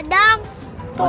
bantuin kita dong